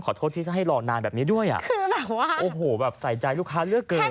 แค่จะยกมันบอกไม่เป็นไรค่ะ